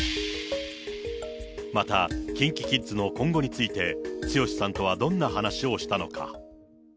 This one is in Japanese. またＫｉｎＫｉＫｉｄｓの今後について、剛さんとはどんな話をしたのか。